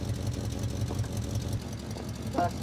李嘉文。